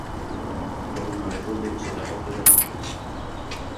Columna de fume sobre a ponte de Rande.